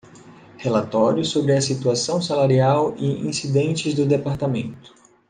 Relatório sobre a situação salarial e incidentes do Departamento.